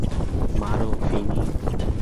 মারো, ফিনি।